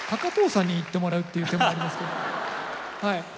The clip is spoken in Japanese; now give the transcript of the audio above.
はい。